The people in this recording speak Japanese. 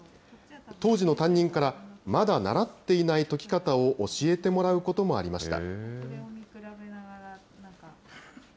当時の担任から、まだ習っていない解き方を教えてもらうこともありました。